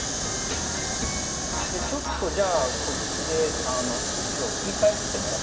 ちょっとじゃあこっちで後ろを振り返ってもらっていいですか。